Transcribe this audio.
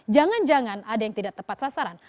jangan jangan ada yang tidak tepat sasaran